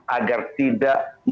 agar tidak terjadi kekurangan